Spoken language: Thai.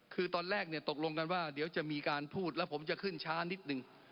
คือตอนแรกเนี่ยตกลงกันว่าเดี๋ยวจะมีการพูดแล้วผมจะขึ้นช้านิดนึง